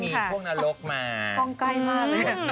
ไม่ต้องมีพวกนรกมา